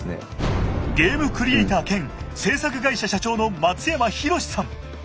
ゲームクリエイター兼制作会社社長の松山洋さん。